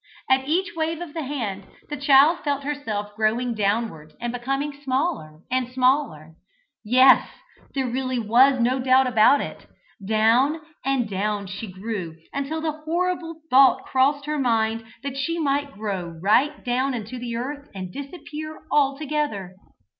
At each wave of the hand, the child felt herself growing downwards and becoming smaller and smaller. Yes! there really was no doubt about it; down and down she grew, until the horrible thought crossed her mind that she might grow right down into the earth, and disappear altogether.